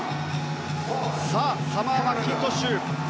さあサマー・マッキントッシュ。